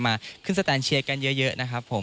มาขึ้นสแตนเชียร์กันเยอะนะครับผม